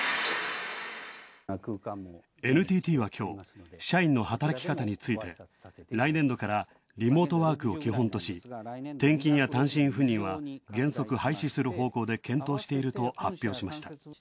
ＮＴＴはきょう、社員の働き方について来年度かリモートワークを基本とし、転勤や単身赴任は廃止する方向で検討していると発表しました。